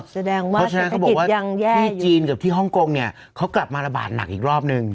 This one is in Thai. อ๋อเพราะฉะนั้นเขาบอกว่าที่จีนกับที่ฮ่องกงเนี่ยเขากลับมาระบาดหนักอีกรอบนึง